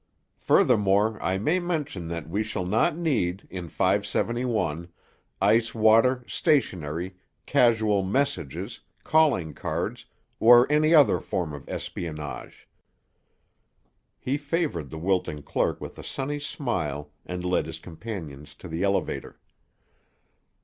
Furthermore, I may mention that we shall not need, in 571, ice water, stationery, casual messages, calling cards, or any other form of espionage." He favored the wilting clerk with a sunny smile and led his companions to the elevator.